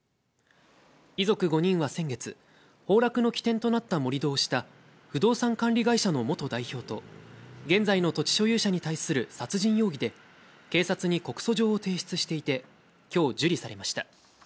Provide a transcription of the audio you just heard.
遺族５人は先月、崩落の起点となった盛り土をした不動産管理会社の元代表と、現在の土地所有者に対する殺人容疑で、警察に告訴状を提出していて、きょう受理されました。